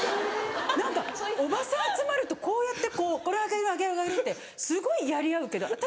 何かおばさん集まるとこうやって「これあげるあげる」ってすごいやり合うけど私